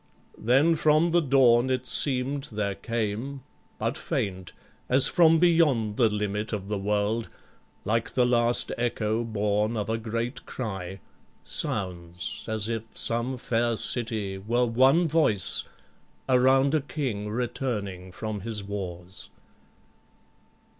Then from the dawn it seem'd there came, but faint, As from beyond the limit of the world, Like the last echo born of a great cry, Sounds, as if some fair city were one voice Around a king returning from his wars.